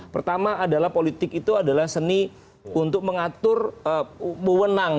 pertama adalah politik itu adalah seni untuk mengatur mewenang